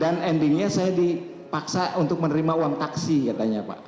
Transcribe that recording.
dan endingnya saya dipaksa untuk menerima uang taksi katanya pak